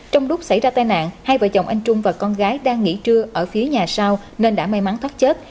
trong lúc xảy ra tai nạn hai vợ chồng anh trung và con gái đang nghỉ trưa ở phía nhà sau nên đã may mắn thoát chết